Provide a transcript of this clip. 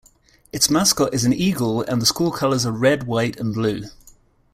Its mascot is an eagle, and the school colors are red, white and blue.